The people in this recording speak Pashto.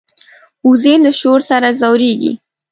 وزې له شور سره ځورېږي